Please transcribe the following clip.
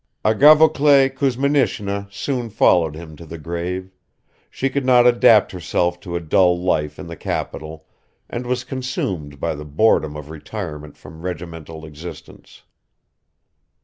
Agafoklea Kuzminishna soon followed him to the grave; she could not adapt herself to a dull life in the capital and was consumed by the boredom of retirement from regimental existence.